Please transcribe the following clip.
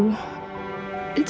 empat tahun sudah berlalu